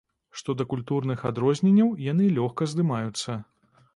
Што да культурных адрозненняў, яны лёгка здымаюцца.